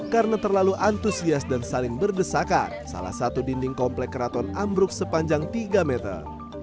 karena terlalu antusias dan saling berdesakan salah satu dinding komplek keraton ambruk sepanjang tiga meter